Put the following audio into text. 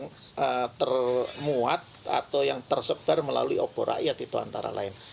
yang termuat atau yang tersebar melalui obor rakyat itu antara lain